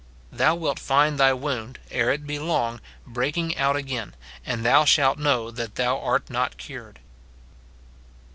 Thou wilt find thy wound, ere it be long, breaking out again ; and thou shalt know that thou art not cured.